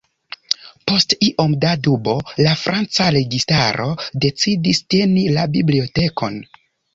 Post iom da dubo, la franca registaro decidis teni la bibliotekon.